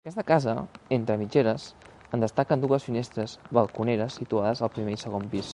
D'aquesta casa entre mitgeres en destaquen dues finestres balconeres situades al primer i segon pis.